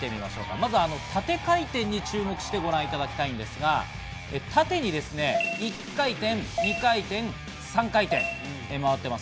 まずは縦回転に注目してご覧いただきたいんですが、縦に１回転、２回転、３回転回ってます。